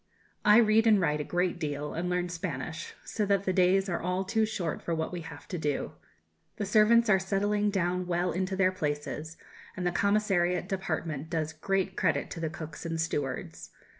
I read and write a great deal, and learn Spanish, so that the days are all too short for what we have to do. The servants are settling down well into their places, and the commissariat department does great credit to the cooks and stewards.